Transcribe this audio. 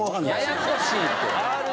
ややこしいて。